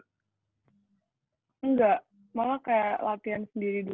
enggak malah kayak latihan sendiri dulu